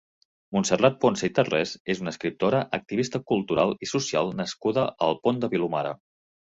Montserrat Ponsa i Tarrés és una escriptora, activista cultural i social nascuda al Pont de Vilomara.